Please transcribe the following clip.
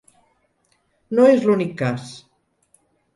No és l'únic cas.